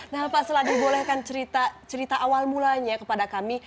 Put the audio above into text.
nah pak seladil boleh kan cerita awal mulanya kepada kami